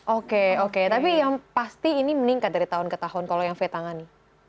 oke oke tapi yang pasti ini meningkat dari tahun ke tahun kalau yang v tangani